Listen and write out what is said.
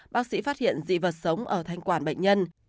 bác sĩ phát hiện dị vật sống ở thanh quản bệnh nhân